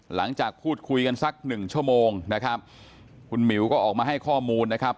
หลังจากพูดคุยกันสักหนึ่งชั่วโมงนะครับคุณหมิวก็ออกมาให้ข้อมูลนะครับ